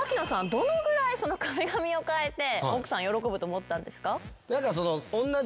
どのぐらい壁紙を変えて奥さん喜ぶと思ったんですか？